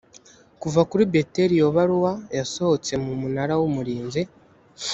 kuva kuri beteli iyo baruwa yasohotse mu munara w umurinzi